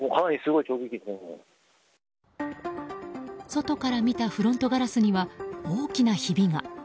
外から見たフロントガラスには大きなひびが。